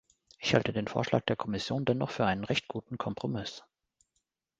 Ich halte den Vorschlag der Kommission dennoch für einen recht guten Kompromiss.